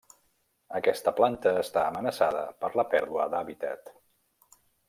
Aquesta planta està amenaçada per la pèrdua d'hàbitat.